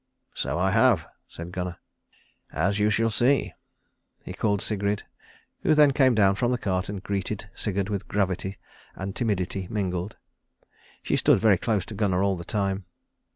"So I have," said Gunnar, "as you shall see." He called Sigrid, who then came down from the cart and greeted Sigurd with gravity and timidity mingled. She stood very close to Gunnar all the time.